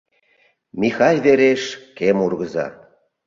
Михай Вереш — кем ургызо.